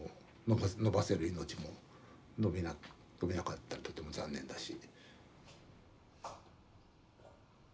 延ばせる命も延びなかったらとても残念だし。